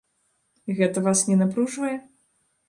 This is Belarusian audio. Гэта вас не напружвае?